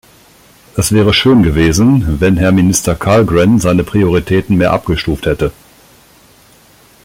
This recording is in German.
Es wäre schön gewesen, wenn Herr Minister Carlgren seine Prioritäten mehr abgestuft hätte.